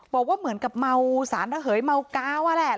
บอกว่าเหมือนกับเมาสารระเหยเมากาวอะแหละ